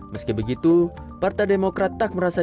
meski begitu partai demokrat tak merasa